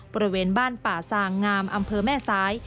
บริเวณบ้านป่าซางงามอำเภอแม่ซ้าย